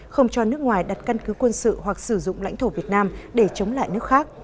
không cho nước ngoài đặt căn cứ quân sự hoặc sử dụng lãnh thổ việt nam để chống lại nước khác